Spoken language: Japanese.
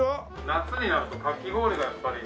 夏になるとかき氷がやっぱり。